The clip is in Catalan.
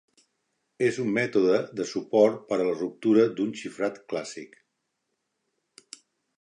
És un mètode de suport per a la ruptura d'un xifrat clàssic.